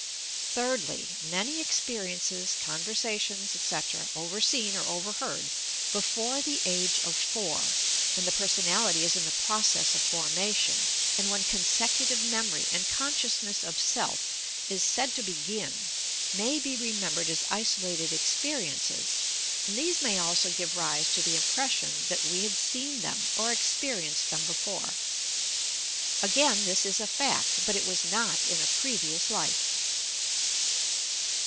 Thirdly, many experienL ea, conversations, etc., over seen or overheard before the age of four, when the personality is la the process of formalion, and when consecutive memory and consciousness of "self" is said to begin, may be remembered as isolated experiences, and these may also give rise to the impression that we had seen them, or experienced them before. Again, this is a fact, but it was not in a "previous life."